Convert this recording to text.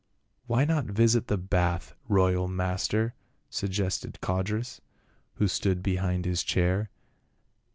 "Why not visit the bath, royal master," suggested Codrus, who stood behind his chair.